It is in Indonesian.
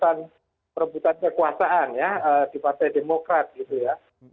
soal penduduk soal perebutan kekuasaan ya di partai demokrat gitu ya